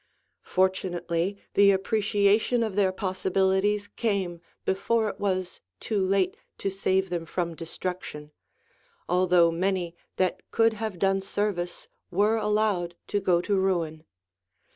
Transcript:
Fortunately the appreciation of their possibilities came before it was too late to save them from destruction, although many that could have done service were allowed to go to ruin.